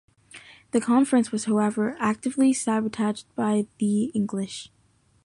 The conference was however actively sabotaged by the English.